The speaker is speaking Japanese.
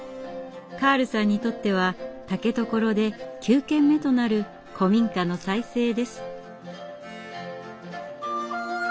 カールさんにとっては竹所で９軒目となる古民家の再生です。